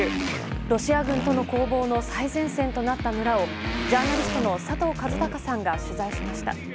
ロシア軍との攻防の最前線となった村をジャーナリストの佐藤和孝さんが取材しました。